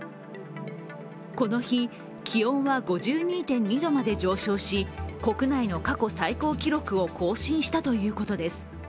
この日、気温は５２．２度まで上昇し、国内の過去最高記録を更新したということです。